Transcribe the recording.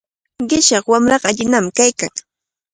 Qishyaq wamraqa allinami kaykan.